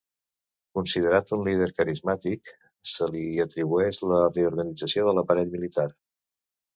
Considerat un líder carismàtic, se li atribueix la reorganització de l'aparell militar.